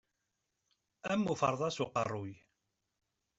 Am uferḍas uqerruy.